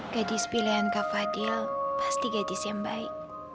gadis pilihan kak fadil pasti gadis yang baik